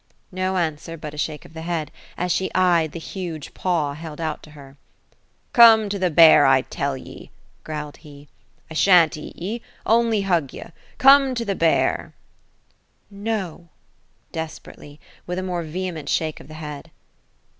No answer, but a shake of the head ; as she eyed the huge paw held out to her. *^ Come to the bear, I t ell ye 1" growled he. ^ I shan't eat ye. Only hug ye. Come to the bear !" (t No !"— desperately ; with a more vehement shake of the head.